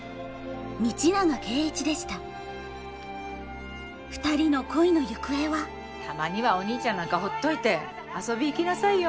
道永圭一でしたたまにはお兄ちゃんなんかほっといて遊び行きなさいよ。